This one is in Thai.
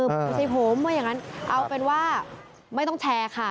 เออสิผมอย่างนั้นเอาเป็นว่าไม่ต้องแชร์ค่ะ